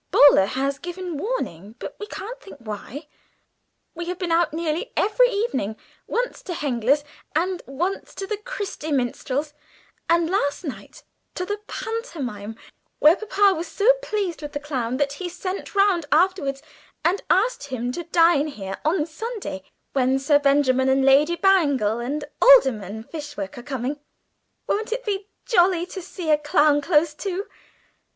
Boaler has given warning, but we can't think why. We have been out nearly every evening once to Hengler's and once to the Christy Minstrels, and last night to the Pantomime, where papa was so pleased with the clown that he sent round afterwards and asked him to dine here on Sunday, when Sir Benjamin and Lady Bangle and Alderman Fishwick are coming. Won't it be jolly to see a clown close to?